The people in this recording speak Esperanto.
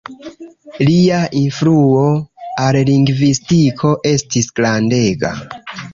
Lia influo al lingvistiko estis grandega.